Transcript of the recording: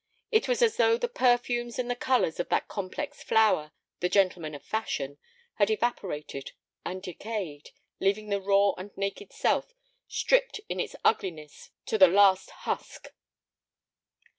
It was as though the perfumes and the colors of that complex flower, "the gentleman of fashion," had evaporated and decayed, leaving the raw and naked self stripped in its ugliness to the last husk.